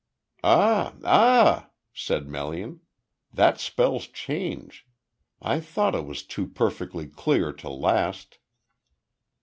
"Ah ah!" said Melian. "That spells change. I thought it was too perfectly clear to last."